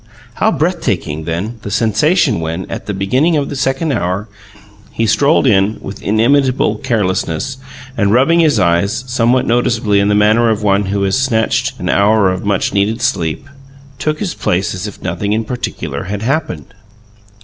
How breathtaking, then, the sensation when, at the beginning of the second hour, he strolled in with inimitable carelessness and, rubbing his eyes, somewhat noticeably in the manner of one who has snatched an hour of much needed sleep, took his place as if nothing in particular had happened.